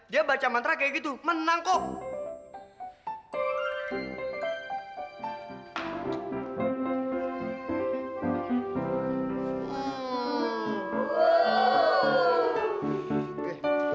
dia baca mantra kayak gitu menang kok